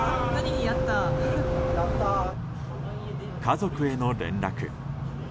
家族への連絡。